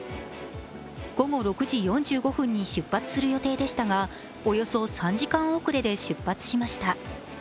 午後６時４５分に出発する予定でしたがおよそ３時間遅れで出発しました。